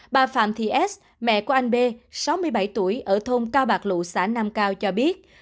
bà phạm thị s mẹ của anh b sáu mươi bảy tuổi ở thôn cao bạc lụ xã nam cao cho biết